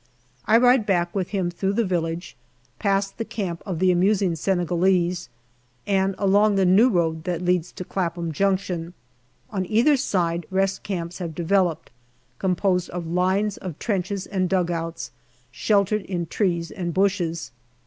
I ride back with him through the village, past the camp of the amusing Senegalese, and along the new road that leads to " Clapham Junction." On either side rest camps have developed, composed of lines of trenches and dugouts, sheltered in trees and bushes.